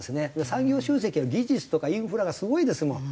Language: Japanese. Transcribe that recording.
産業集積は技術とかインフラがすごいですもん。